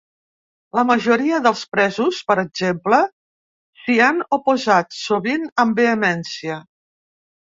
La majoria dels presos, per exemple, s’hi han oposat, sovint amb vehemència.